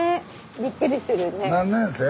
びっくりしてるね。